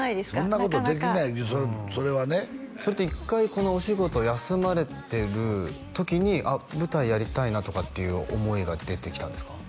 そんなことできないそれはねそれって一回このお仕事休まれてる時に舞台やりたいなとかっていう思いが出てきたんですか？